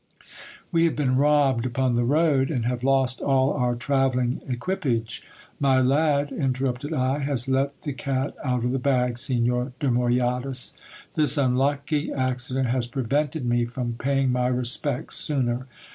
We have been robbed upon the road, and have lost all our travelling equipage. My lad, interrupted I, has let the cat out of the bag, Signor de Moyadas. This unlucky accident has prevented me from paying my respects sooner.